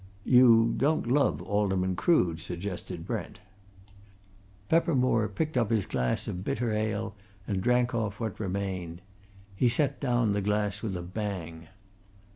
"You don't love Alderman Crood?" suggested Brent. Peppermore picked up his glass of bitter ale and drank off what remained. He set down the glass with a bang.